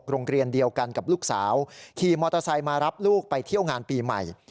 โรงเรียนเดียวกันกับลูกสาวขี่มอเตอร์ไซค์มารับลูกไปเที่ยวงานปีใหม่